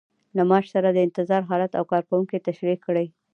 له معاش سره د انتظار حالت او کارکوونکي تشریح کړئ.